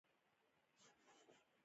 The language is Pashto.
د ډوډۍ وروسته بېرته اتاق ته راغلم.